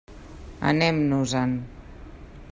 Anem-nos-en.